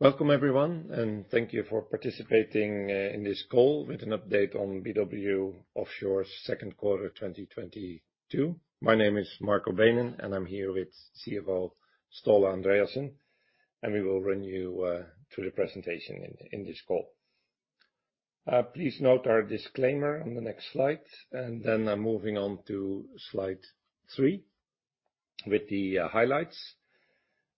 Welcome everyone, and thank you for participating in this call with an update on BW Offshore's second quarter 2022. My name is Marco Beenen, and I'm here with CFO Ståle Andreassen, and we will run you through the presentation in this call. Please note our disclaimer on the next slide, and then I'm moving on to slide 3 with the highlights.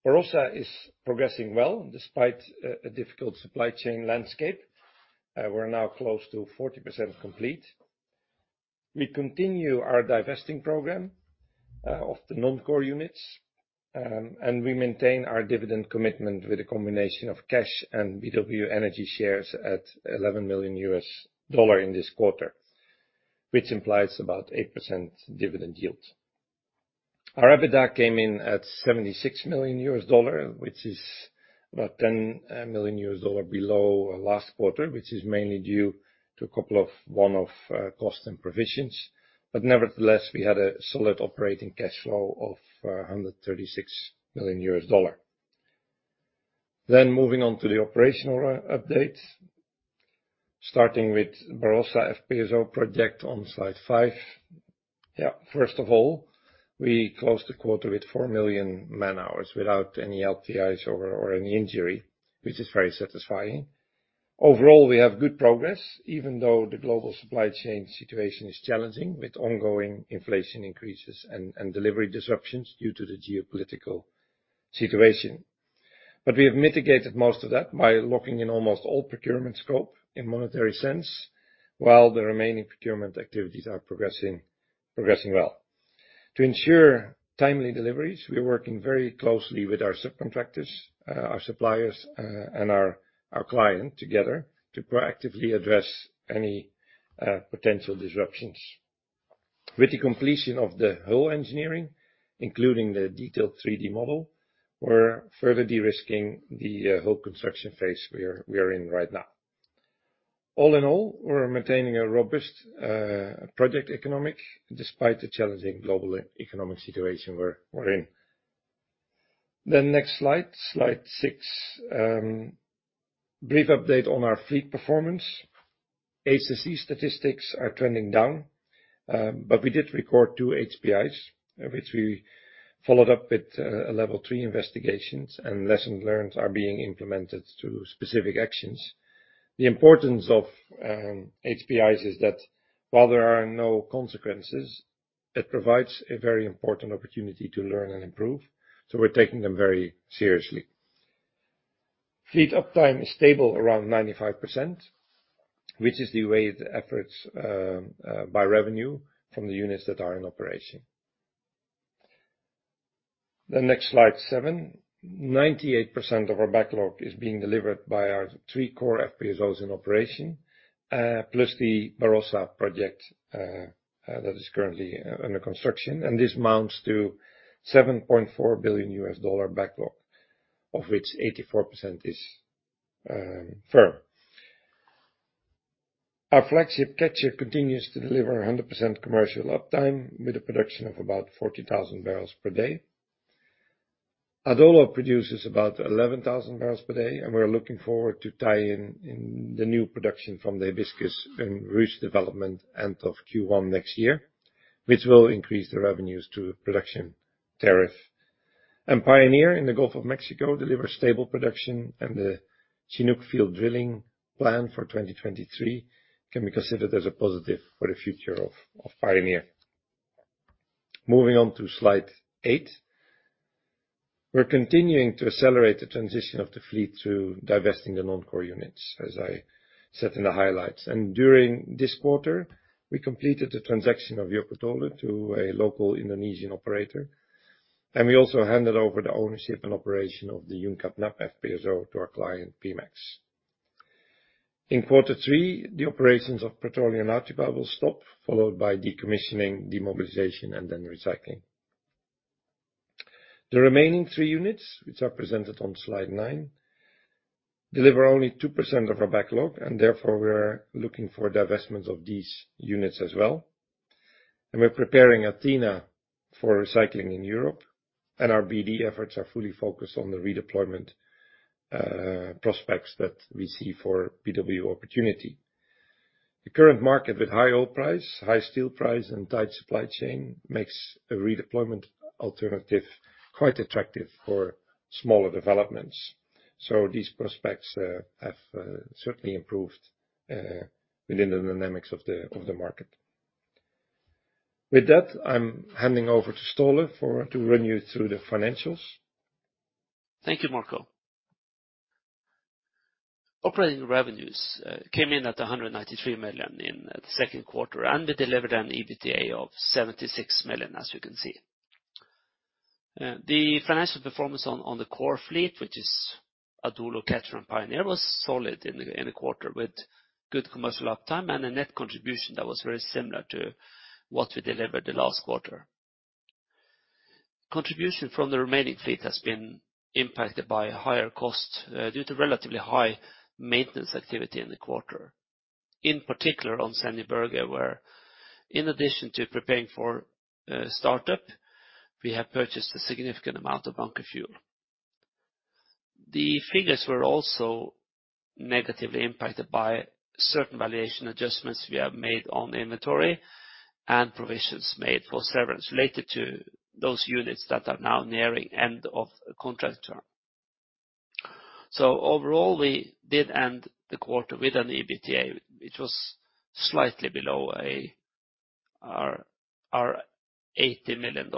Barossa is progressing well despite a difficult supply chain landscape. We're now close to 40% complete. We continue our divesting program of the non-core units, and we maintain our dividend commitment with a combination of cash and BW Energy shares at $11 million in this quarter, which implies about 8% dividend yield. Our EBITDA came in at $76 million, which is about $10 million below last quarter, which is mainly due to a couple of one-off costs and provisions. Nevertheless, we had a solid operating cash flow of $136 million. Moving on to the operational update. Starting with Barossa FPSO project on slide 5. Yeah, first of all, we closed the quarter with 4 million man-hours without any LTIs or any injury, which is very satisfying. Overall, we have good progress, even though the global supply chain situation is challenging with ongoing inflation increases and delivery disruptions due to the geopolitical situation. We have mitigated most of that by locking in almost all procurement scope in monetary sense, while the remaining procurement activities are progressing well. To ensure timely deliveries, we are working very closely with our subcontractors, our suppliers, and our client together to proactively address any potential disruptions. With the completion of the hull engineering, including the detailed 3-D model, we're further de-risking the hull construction phase we are in right now. All in all, we're maintaining a robust project economics despite the challenging global economic situation we're in. Next slide six. Brief update on our fleet performance. HSE statistics are trending down, but we did record two HPIs, which we followed up with level three investigations, and lessons learned are being implemented through specific actions. The importance of HPIs is that while there are no consequences, it provides a very important opportunity to learn and improve, so we're taking them very seriously. Fleet uptime is stable around 95%, which is the way the efforts by revenue from the units that are in operation. The next slide, seven. 98% of our backlog is being delivered by our three core FPSOs in operation, plus the Barossa project, that is currently under construction, and this amounts to $7.4 billion backlog, of which 84% is firm. Our flagship Catcher continues to deliver 100% commercial uptime with a production of about 40,000 barrels per day. Adolo produces about 11,000 barrels per day, and we're looking forward to tie in the new production from the Hibiscus/Ruche development end of Q1 next year, which will increase the revenues through production tariff. Pioneer in the Gulf of Mexico delivers stable production, and the Chinook field drilling plan for 2023 can be considered as a positive for the future of Pioneer. Moving on to slide 8. We're continuing to accelerate the transition of the fleet through divesting the non-core units, as I said in the highlights. During this quarter, we completed the transaction of Joko Tole to a local Indonesian operator, and we also handed over the ownership and operation of the Yùum K Náab FPSO to our client, Pemex. In quarter three, the operations of Petróleo Nautipa will stop, followed by decommissioning, demobilization, and then recycling. The remaining three units, which are presented on slide 9, deliver only 2% of our backlog, and therefore, we're looking for divestment of these units as well. We're preparing Athena for recycling in Europe, and our BD efforts are fully focused on the redeployment prospects that we see for BW Opportunity. The current market with high oil price, high steel price, and tight supply chain makes a redeployment alternative quite attractive for smaller developments. These prospects have certainly improved within the dynamics of the market. With that, I'm handing over to Ståle to run you through the financials. Thank you, Marco. Operating revenues came in at $193 million in the second quarter, and we delivered an EBITDA of $76 million, as you can see. The financial performance on the core fleet, which is Adolo, Catcher, and Pioneer, was solid in the quarter with good commercial uptime and a net contribution that was very similar to what we delivered the last quarter. Contribution from the remaining fleet has been impacted by higher costs due to relatively high maintenance activity in the quarter. In particular on Sendje Berge, where in addition to preparing for startup, we have purchased a significant amount of bunker fuel. The figures were also negatively impacted by certain valuation adjustments we have made on the inventory and provisions made for severance related to those units that are now nearing end of contract term. Overall, we did end the quarter with an EBITDA, which was slightly below our $80 million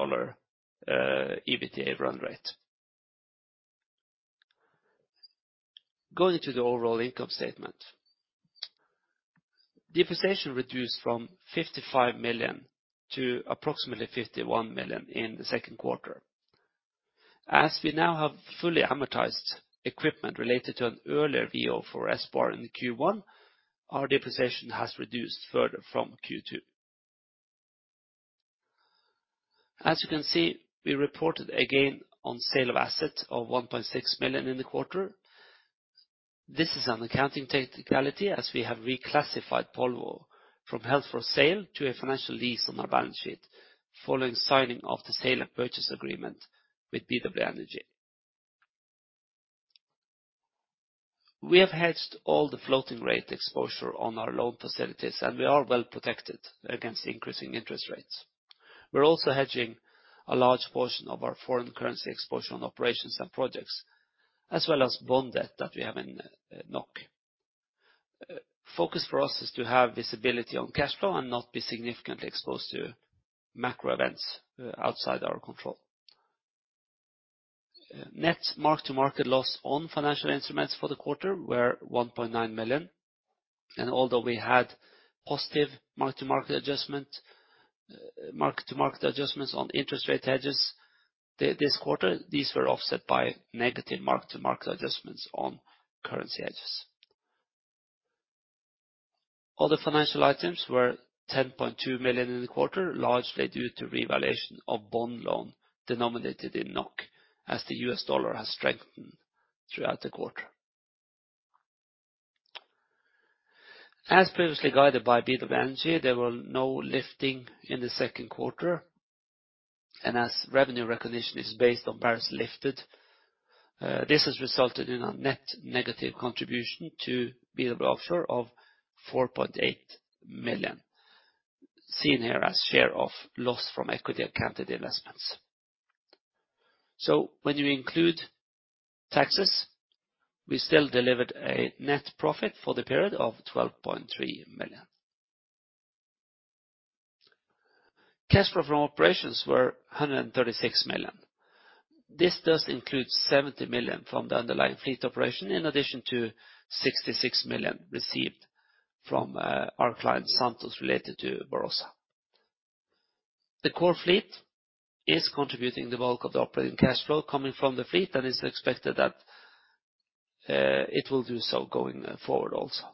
EBITDA run rate. Going to the overall income statement. Depreciation reduced from $55 million to approximately $51 million in the second quarter. We now have fully amortized equipment related to an earlier VO for S Bar in Q1, our depreciation has reduced further from Q2. You can see, we reported a gain on sale of assets of $1.6 million in the quarter. This is an accounting technicality as we have reclassified Polvo from held for sale to a financial lease on our balance sheet following signing of the sale and purchase agreement with BW Energy. We have hedged all the floating rate exposure on our loan facilities, and we are well protected against increasing interest rates. We're also hedging a large portion of our foreign currency exposure on operations and projects, as well as bond debt that we have in NOK. Focus for us is to have visibility on cash flow and not be significantly exposed to macro events outside our control. Net mark-to-market loss on financial instruments for the quarter were $1.9 million. Although we had positive mark-to-market adjustment, mark-to-market adjustments on interest rate hedges this quarter, these were offset by negative mark-to-market adjustments on currency hedges. Other financial items were $10.2 million in the quarter, largely due to revaluation of bond loan denominated in NOK as the US dollar has strengthened throughout the quarter. As previously guided by BW Energy, there were no lifting in the second quarter. Revenue recognition is based on barrels lifted, this has resulted in a net negative contribution to BW Offshore of $4.8 million, seen here as share of loss from equity accounted investments. When you include taxes, we still delivered a net profit for the period of $12.3 million. Cash flow from operations were $136 million. This does include $70 million from the underlying fleet operation, in addition to $66 million received from our client, Santos, related to Barossa. The core fleet is contributing the bulk of the operating cash flow coming from the fleet, and it's expected that it will do so going forward also.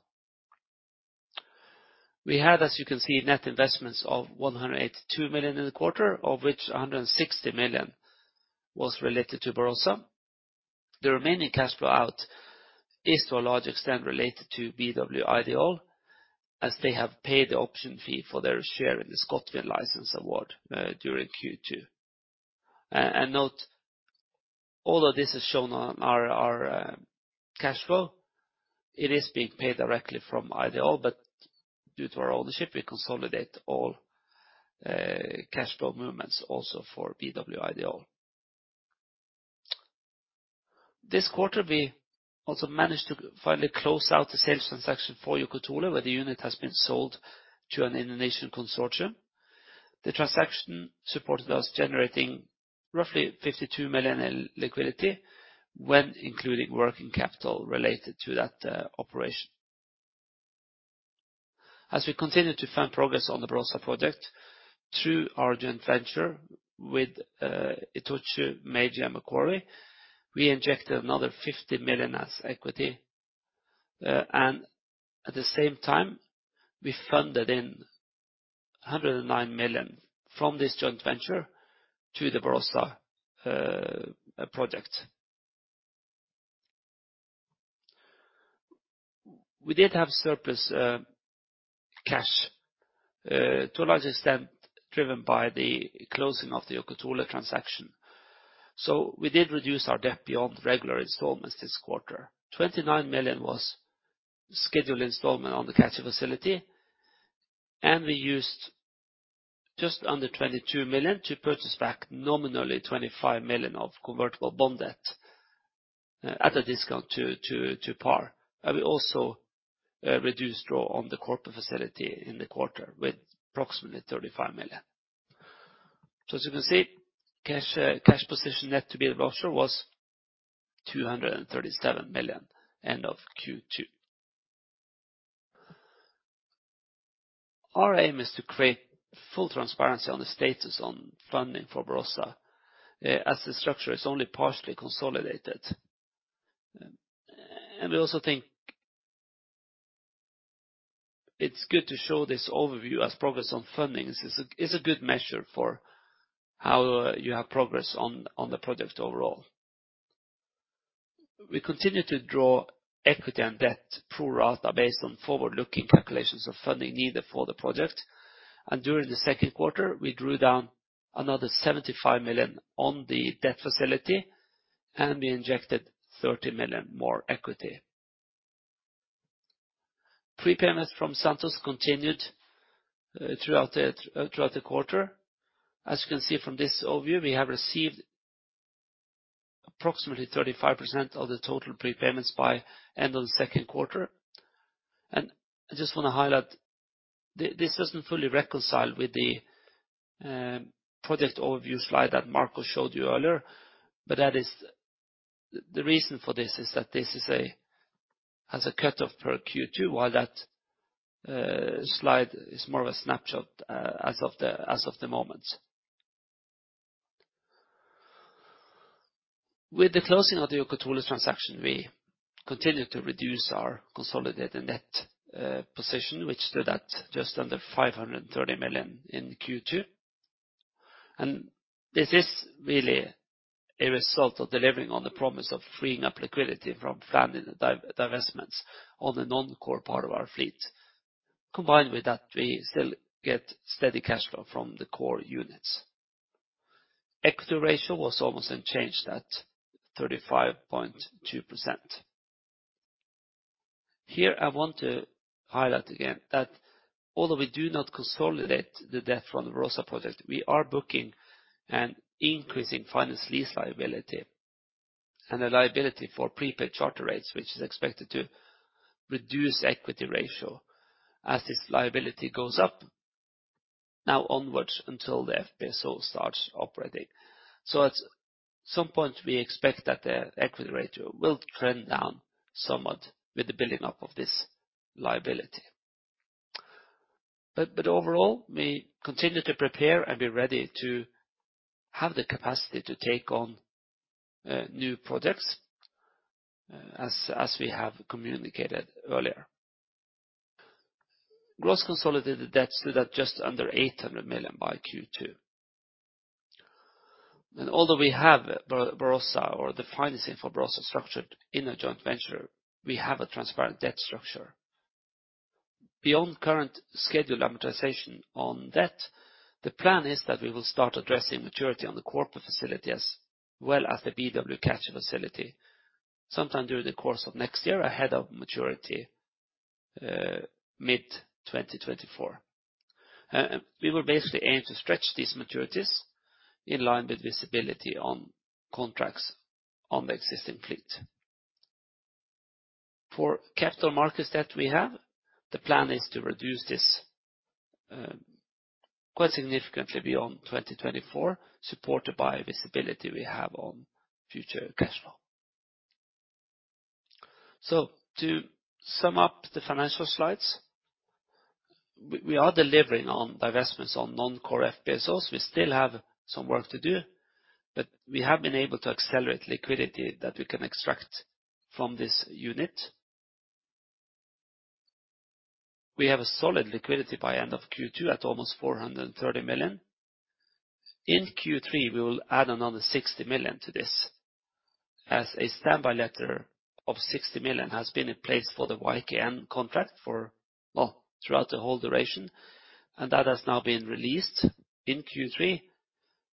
We had, as you can see, net investments of $182 million in the quarter, of which $160 million was related to Barossa. The remaining cash flow out is to a large extent related to BW Ideol, as they have paid the option fee for their share in the ScotWind license award during Q2. Note, although this is shown on our cash flow, it is being paid directly from Ideol, but due to our ownership, we consolidate all cash flow movements also for BW Ideol. This quarter, we also managed to finally close out the sales transaction for BW Joko Tole, where the unit has been sold to an Indonesian consortium. The transaction supported us generating roughly $52 million in liquidity when including working capital related to that operation. As we continue to find progress on the Barossa project through our joint venture with Itochu, Meiji Shipping, and Macquarie, we injected another $50 million as equity. At the same time, we funded in $109 million from this joint venture to the Barossa project. We did have surplus cash to a large extent driven by the closing of the Joko Tole transaction. We did reduce our debt beyond regular installments this quarter. $29 million was scheduled installment on the Catcher facility, and we used just under $22 million to purchase back nominally $25 million of convertible bond debt at a discount to par. We also reduced draw on the corporate facility in the quarter with approximately $35 million. As you can see, cash position net to BW Offshore was $237 million end of Q2. Our aim is to create full transparency on the status on funding for Barossa as the structure is only partially consolidated. We also think it's good to show this overview as progress on fundings. It's a good measure for how you have progress on the project overall. We continue to draw equity and debt through rota based on forward-looking calculations of funding needed for the project. During the second quarter, we drew down another $75 million on the debt facility, and we injected $30 million more equity. Prepayment from Santos continued throughout the quarter. As you can see from this overview, we have received approximately 35% of the total prepayments by end of the second quarter. I just wanna highlight, this doesn't fully reconcile with the project overview slide that Marco showed you earlier. But that is. The reason for this is that this is a cut-off per Q2, while that slide is more of a snapshot as of the moment. With the closing of the Joko Tole transaction, we continue to reduce our consolidated net position, which stood at just under $530 million in Q2. This is really a result of delivering on the promise of freeing up liquidity from planning the divestments on the non-core part of our fleet. Combined with that, we still get steady cash flow from the core units. Equity ratio was almost unchanged at 35.2%. Here, I want to highlight again that although we do not consolidate the debt from the Rosa project, we are booking an increase in finance lease liability and a liability for prepaid charter rates, which is expected to reduce equity ratio as this liability goes up now onwards until the FPSO starts operating. At some point, we expect that the equity ratio will trend down somewhat with the building up of this liability. But overall, we continue to prepare and be ready to have the capacity to take on new projects as we have communicated earlier. Gross consolidated debt stood at just under $800 million by Q2. Although we have Barossa or the financing for Barossa structured in a joint venture, we have a transparent debt structure. Beyond current scheduled amortization on debt, the plan is that we will start addressing maturity on the corporate facilities, as well as the BW Catcher facility sometime during the course of next year ahead of maturity, mid-2024. We will basically aim to stretch these maturities in line with visibility on contracts on the existing fleet. For capital markets debt we have, the plan is to reduce this quite significantly beyond 2024, supported by visibility we have on future cash flow. To sum up the financial slides, we are delivering on divestments on non-core FPSOs. We still have some work to do, but we have been able to accelerate liquidity that we can extract from this unit. We have a solid liquidity by end of Q2 at almost $430 million. In Q3, we will add another $60 million to this as a standby letter of $60 million has been in place for the YKN contract for, well, throughout the whole duration, and that has now been released in Q3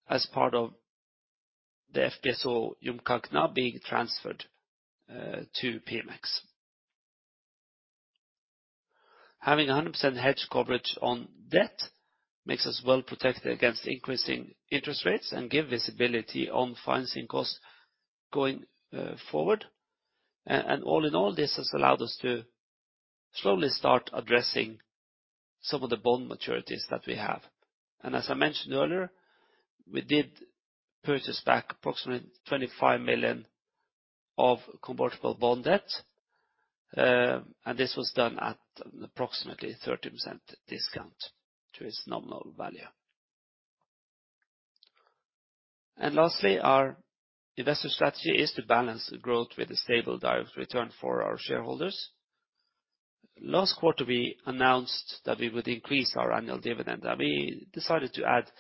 as part of the FPSO Yùum K Náab now being transferred to Pemex. Having 100% hedge coverage on debt makes us well-protected against increasing interest rates and give visibility on financing costs going forward. All in all, this has allowed us to slowly start addressing some of the bond maturities that we have. As I mentioned earlier, we did purchase back approximately $25 million of convertible bond debt, and this was done at an approximately 30% discount to its nominal value. Lastly, our investor strategy is to balance growth with a stable direct return for our shareholders. Last quarter, we announced that we would increase our annual dividend, and we decided to add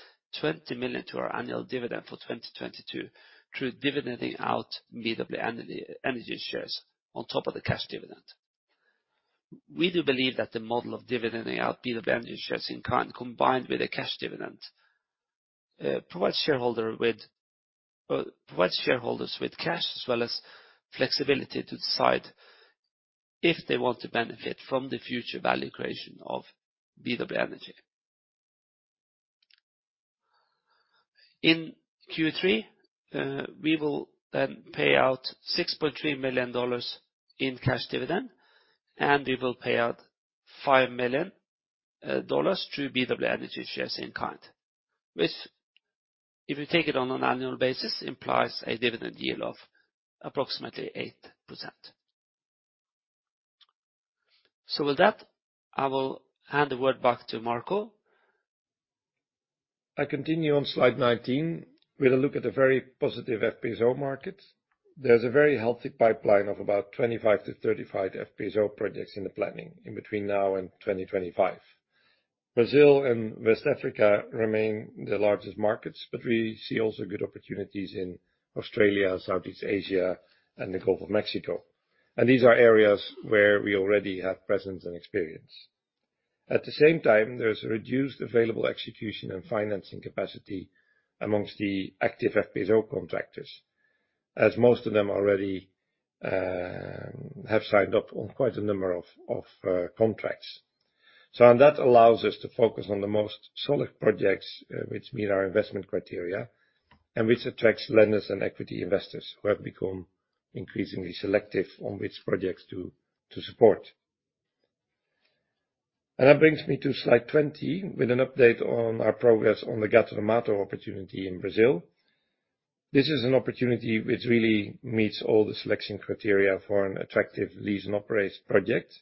20 million to our annual dividend for 2022 through dividending out BW Energy shares on top of the cash dividend. We do believe that the model of dividending out BW Energy shares in kind, combined with a cash dividend, provides shareholders with cash as well as flexibility to decide if they want to benefit from the future value creation of BW Energy. In Q3, we will pay out $6.3 million in cash dividend, and we will pay out $5 million through BW Energy shares in kind, which if you take it on an annual basis, implies a dividend yield of approximately 8%. With that, I will hand the word back to Marco. I continue on slide 19 with a look at the very positive FPSO market. There's a very healthy pipeline of about 25-35 FPSO projects in the planning in between now and 2025. Brazil and West Africa remain the largest markets, but we see also good opportunities in Australia, Southeast Asia, and the Gulf of Mexico. These are areas where we already have presence and experience. At the same time, there's reduced available execution and financing capacity amongst the active FPSO contractors as most of them already have signed up on quite a number of contracts. That allows us to focus on the most solid projects, which meet our investment criteria, and which attracts lenders and equity investors who have become increasingly selective on which projects to support. That brings me to slide 20, with an update on our progress on the Gato do Mato opportunity in Brazil. This is an opportunity which really meets all the selection criteria for an attractive lease and operate project.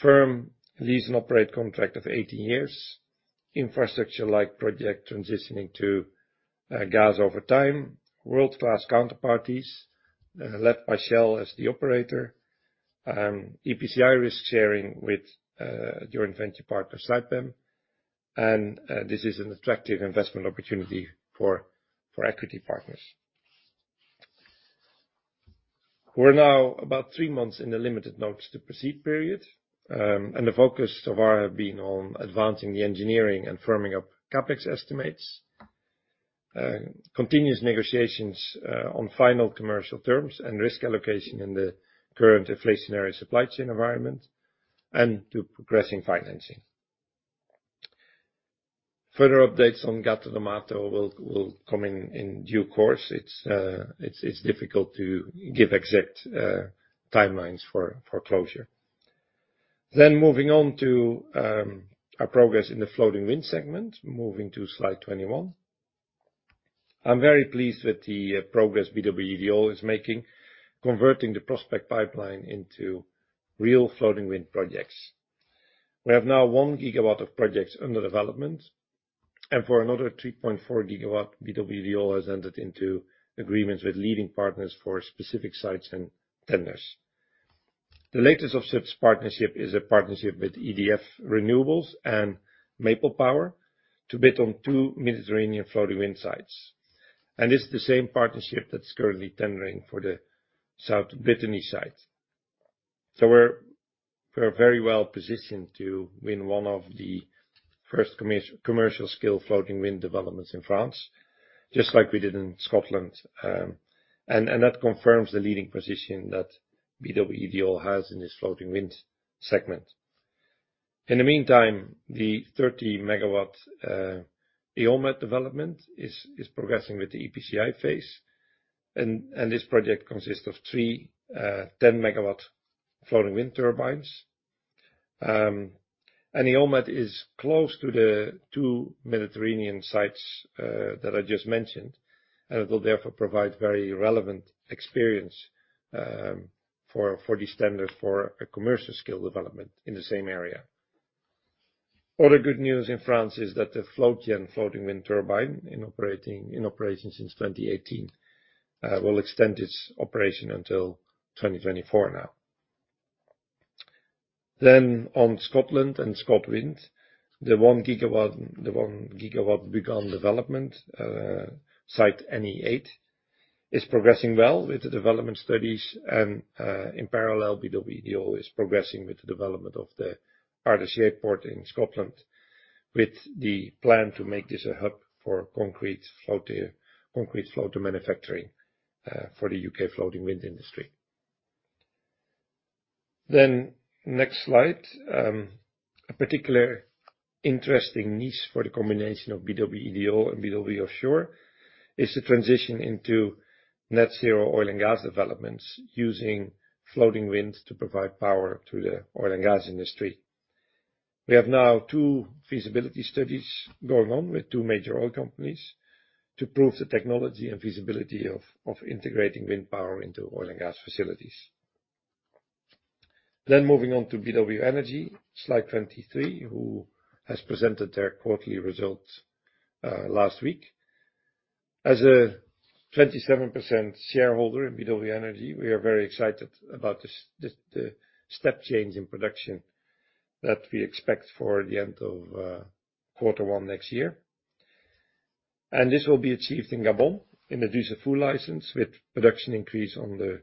Firm lease and operate contract of 80 years. Infrastructure-led project transitioning to gas over time. World-class counterparties led by Shell as the operator. EPCI risk sharing with joint venture partner Saipem. This is an attractive investment opportunity for equity partners. We're now about 3 months in the limited notice to proceed period. The focus so far have been on advancing the engineering and firming up CapEx estimates. Continuous negotiations on final commercial terms and risk allocation in the current inflationary supply chain environment, and to progressing financing. Further updates on Gato do Mato will come in due course. It's difficult to give exact timelines for closure. Moving on to our progress in the floating wind segment, moving to slide 21. I'm very pleased with the progress BW Ideol is making, converting the prospect pipeline into real floating wind projects. We have now 1 gigawatt of projects under development. For another 3.4 gigawatt, BW Ideol has entered into agreements with leading partners for specific sites and tenders. The latest of such partnership is a partnership with EDF Renewables and Maple Power to bid on 2 Mediterranean floating wind sites. This is the same partnership that's currently tendering for the South Brittany site. We're very well positioned to win one of the first commercial scale floating wind developments in France, just like we did in Scotland, and that confirms the leading position that BW Ideol has in this floating wind segment. In the meantime, the 30-megawatt EolMed development is progressing with the EPCI phase. This project consists of three 10-megawatt floating wind turbines. EolMed is close to the two Mediterranean sites that I just mentioned, and it will therefore provide very relevant experience for the standard for a commercial scale development in the same area. Other good news in France is that the Floatgen floating wind turbine in operation since 2018 will extend its operation until 2024 now. On Scotland and ScotWind, the 1-gigawatt Bùth Geal development site NE8 is progressing well with the development studies and, in parallel, BW Ideol is progressing with the development of the Ardersier port in Scotland with the plan to make this a hub for concrete floater manufacturing for the UK floating wind industry. Next slide. A particularly interesting niche for the combination of BW Ideol and BW Offshore is the transition into net zero oil and gas developments using floating winds to provide power to the oil and gas industry. We have now two feasibility studies going on with two major oil companies to prove the technology and feasibility of integrating wind power into oil and gas facilities. Moving on to BW Energy, slide 23, who has presented their quarterly results last week. As a 27% shareholder in BW Energy, we are very excited about this, the step change in production that we expect for the end of quarter one next year. This will be achieved in Gabon, in the Dussafu license, with production increase on the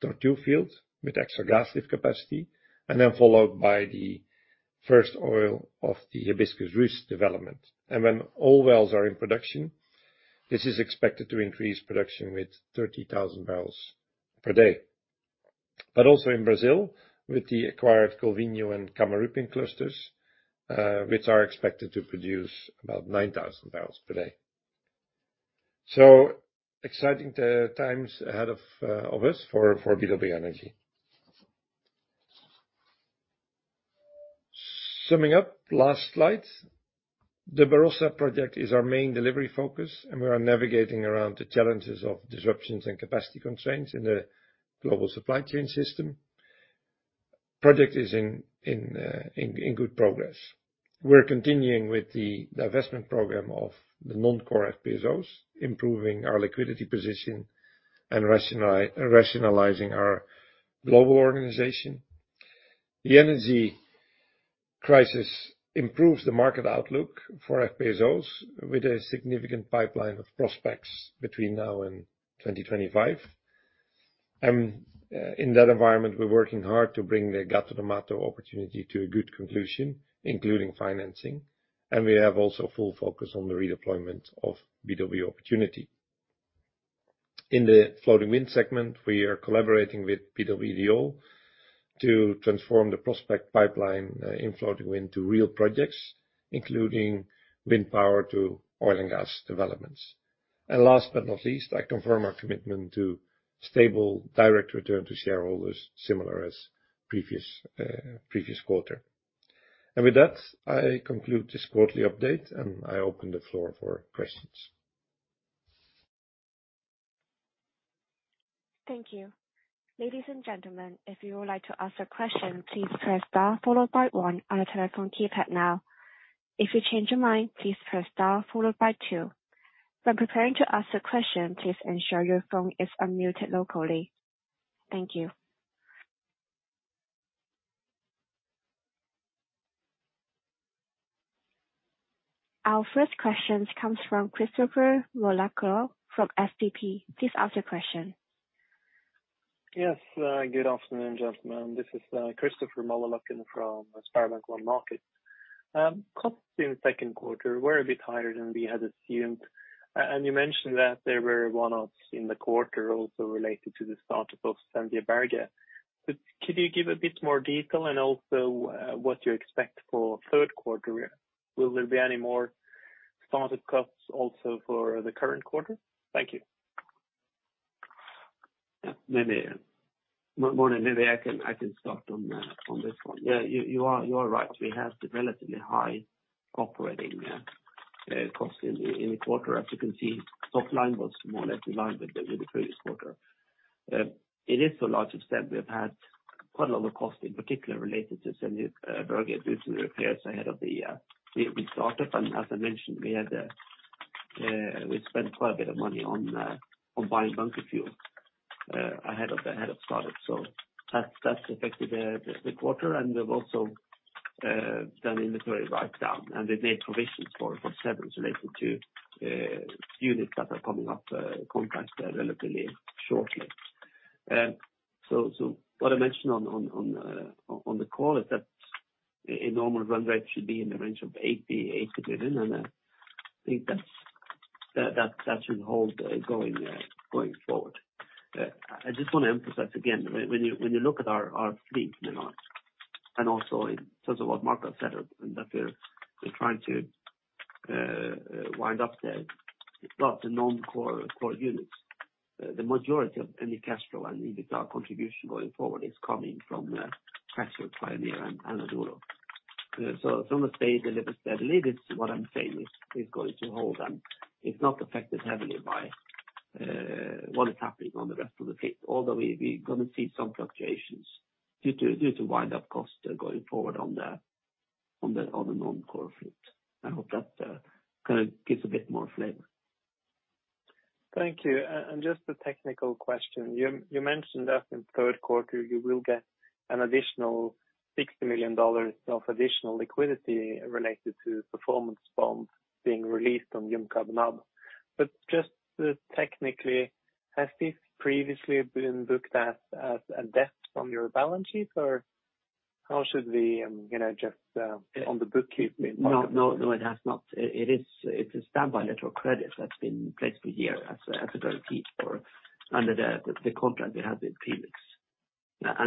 Tortue field with extra gas lift capacity, and then followed by the first oil of the Hibiscus/Ruche development. When all wells are in production, this is expected to increase production with 30,000 barrels per day. Also in Brazil, with the acquired Golfinho and Camarupim clusters, which are expected to produce about 9,000 barrels per day. Exciting times ahead of us for BW Energy. Summing up, last slide. The Barossa project is our main delivery focus, and we are navigating around the challenges of disruptions and capacity constraints in the global supply chain system. The project is in good progress. We're continuing with the divestment program of the non-core FPSOs, improving our liquidity position and rationalizing our global organization. The energy This improves the market outlook for FPSOs with a significant pipeline of prospects between now and 2025. In that environment, we're working hard to bring the Gato do Mato opportunity to a good conclusion, including financing, and we have also full focus on the redeployment of BW Opportunity. In the floating wind segment, we are collaborating with BW Ideol to transform the prospect pipeline in floating wind to real projects, including wind power to oil and gas developments. Last but not least, I confirm our commitment to stable direct return to shareholders similar as previous quarter. With that, I conclude this quarterly update, and I open the floor for questions. Thank you. Ladies and gentlemen, if you would like to ask a question, please press star followed by one on your telephone keypad now. If you change your mind, please press star followed by two. When preparing to ask a question, please ensure your phone is unmuted locally. Thank you. Our first question comes from Christopher Mølakal from SEB. Please ask your question. Yes. Good afternoon, gentlemen. This is Christopher Mølakal from SpareBank 1 Markets. Costs in the second quarter were a bit higher than we had assumed. You mentioned that there were one-offs in the quarter also related to the start-up of Sendje Berge. Could you give a bit more detail and also what you expect for third quarter? Will there be any more startup costs also for the current quarter? Thank you. Morning, maybe I can start on this one. Yeah. You are right. We have the relatively high operating cost in the quarter. As you can see, top line was more or less in line with the previous quarter. It is to a large extent we have had quite a lot of cost in particular related to Sendje Berge due to the repairs ahead of the startup, and as I mentioned, we spent quite a bit of money on buying bunker fuel ahead of startup. That's affected the quarter. We've also done inventory write-down, and we've made provisions for severance related to units that are coming up contracts relatively shortly. What I mentioned on the call is that a normal run rate should be in the range of $80 million, and I think that should hold going forward. I just wanna emphasize again when you look at our fleet mix, and also in terms of what Marco said, that we're trying to wind up the non-core units. The majority of any cash flow and EBITDA contribution going forward is coming from Catcher, Pioneer, and Adolo. It's almost stayed a little steadily. This is what I'm saying is going to hold, and it's not affected heavily by what is happening on the rest of the fleet, although we're gonna see some fluctuations due to windup costs going forward on the non-core fleet. I hope that kinda gives a bit more flavor. Thank you. Just a technical question. You mentioned that in third quarter you will get an additional $60 million of additional liquidity related to performance bonds being released on Yùum K Náab. Just technically, has this previously been booked as a debt on your balance sheet or how should we, you know, just on the bookkeeping part of it? No, no, it has not. It's a standby letter of credit that's been placed for a year as a guarantee under the contract we had with Pemex.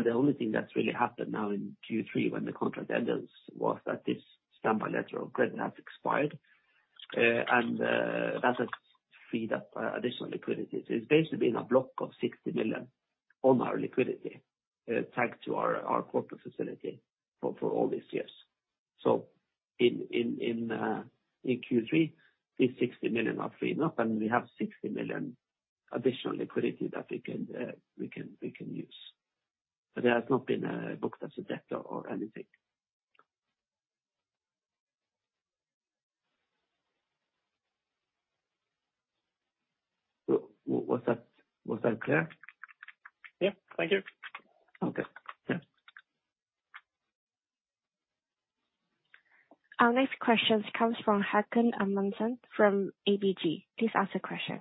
The only thing that's really happened now in Q3 when the contract ended was that this standby letter of credit has expired, and that has freed up additional liquidity. It's basically been a block of $60 million on our liquidity, tagged to our revolver facility for all these years. In Q3 this $60 million are freed up, and we have $60 million additional liquidity that we can use. It has not been booked as a debt or anything. Was that clear? Yeah. Thank you. Okay. Yeah. Our next question comes from Haakon Amundsen from ABG. Please ask the question.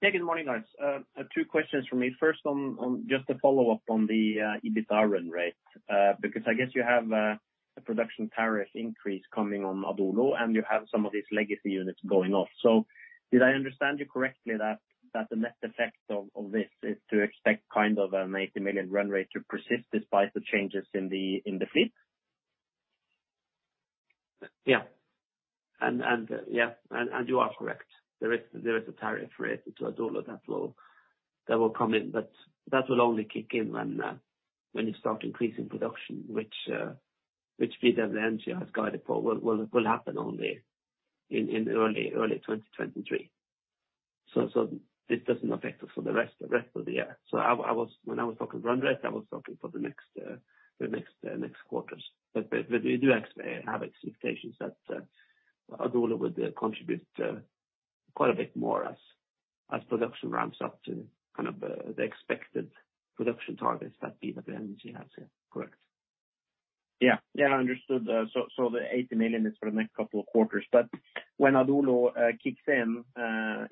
Yeah, good morning, guys. Two questions from me. First on just a follow-up on the EBITDA run rate, because I guess you have a production tariff increase coming on Adolo, and you have some of these legacy units going off. Did I understand you correctly that the net effect of this is to expect a $80 million run rate to persist despite the changes in the fleet? Yeah. You are correct. There is a tariff rate to Adolo that will come in, but that will only kick in when you start increasing production, which BW Energy has guided for will happen only in early 2023. This doesn't affect us for the rest of the year. When I was talking run rate, I was talking for the next quarters. We do have expectations that Adolo will contribute quite a bit more as production ramps up to the expected production targets that BW Energy has here. Correct. Yeah. Yeah, understood. The $80 million is for the next couple of quarters, but when Adolo kicks in,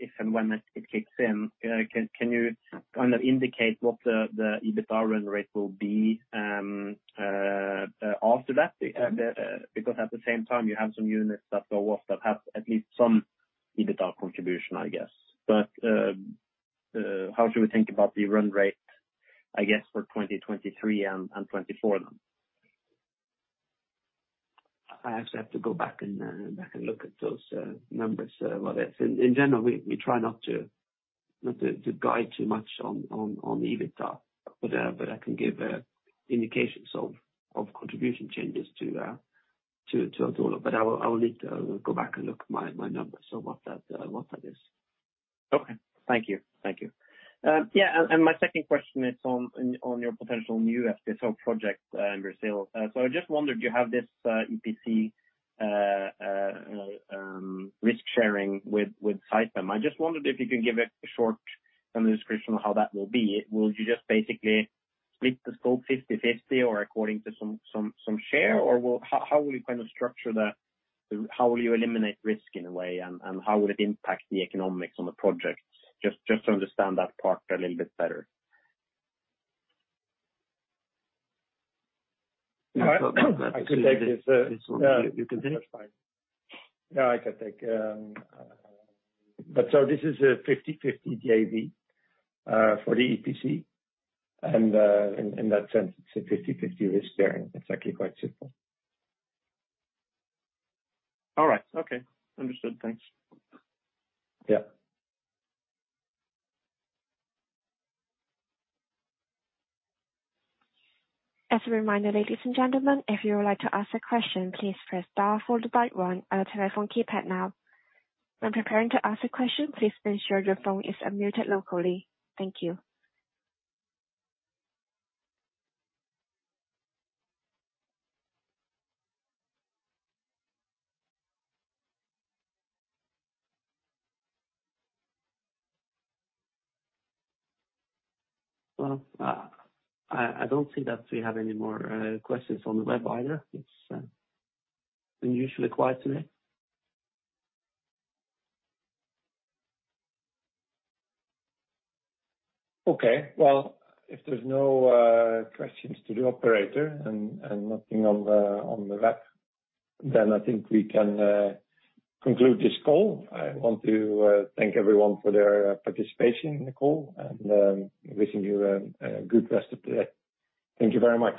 if and when it kicks in, can you indicate what the EBITDA run rate will be after that? Because at the same time you have some units that go off that have at least some EBITDA contribution, I guess. How should we think about the run rate, I guess, for 2023 and 2024 then? I actually have to go back and look at those numbers, Håkon Amundsen. In general, we try not to guide too much on EBITDA. I can give indications of contribution changes to Adolo. I will need to go back and look at my numbers of what that is. Okay. Thank you. Thank you. My second question is on your potential new FPSO project in Brazil. I just wondered, you have this EPC risk-sharing with Saipem. I just wondered if you can give a short description of how that will be. Will you just basically split the scope 50/50 or according to some share? How will you eliminate risk in a way, and how will it impact the economics on the project? Just to understand that part a little bit better. All right. I could take this. You continue. That's fine. Yeah, I can take. This is a 50/50 JV for the EPC, and in that sense, it's a 50/50 risk-sharing. It's actually quite simple. All right. Okay. Understood. Thanks. Yeah. As a reminder, ladies and gentlemen, if you would like to ask a question, please press star followed by one on your telephone keypad now. When preparing to ask a question, please ensure your phone is unmuted locally. Thank you. Well, I don't see that we have any more questions on the web either. It's been unusually quiet today. Okay. Well, if there's no questions to the operator and nothing on the web, then I think we can conclude this call. I want to thank everyone for their participation in the call, and wishing you a good rest of the day. Thank you very much.